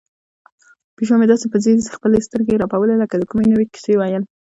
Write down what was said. پیشو مې داسې په ځیر خپلې سترګې رپوي لکه د کومې نوې کیسې ویل.